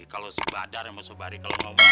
kalau si badar yang masuk bari kalau ngomong